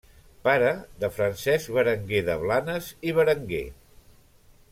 Pare de Francesc Berenguer de Blanes i Berenguer.